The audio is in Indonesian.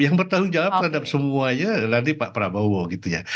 yang bertanggung jawab terhadap semuanya tadi pak prabowo gitu ya